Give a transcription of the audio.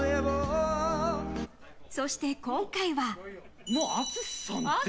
そして、今回は。